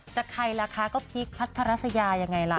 ใครล่ะคะก็พีคพัทรัสยายังไงล่ะ